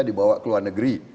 dibawa ke luar negeri